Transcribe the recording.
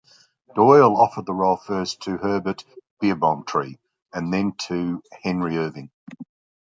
Doyle offered the role first to Herbert Beerbohm Tree and then to Henry Irving.